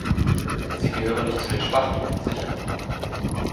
Sie gehören nicht zu den schwachen, sicher.